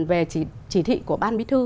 về chỉ thị của ban bí thư